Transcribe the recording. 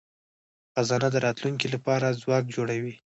خزانه د راتلونکي لپاره ځواک جوړوي.